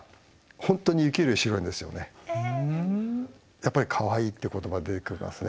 やっぱり「かわいい」って言葉出てきますね。